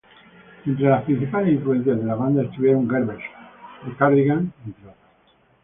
Entre las principales influencias de la banda estuvieron Garbage, The Cardigans, entre otros.